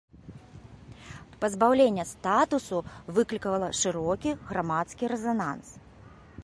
Пазбаўленне статусу выклікала шырокі грамадскі рэзананс.